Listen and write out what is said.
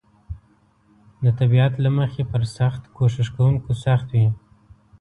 د طبیعت له مخې پر سخت کوښښ کونکو سخت وي.